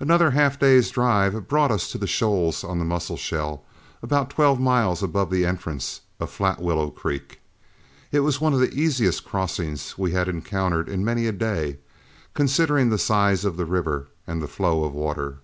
Another half day's drive brought us to the shoals on the Musselshell, about twelve miles above the entrance of Flatwillow Creek. It was one of the easiest crossings we had encountered in many a day, considering the size of the river and the flow of water.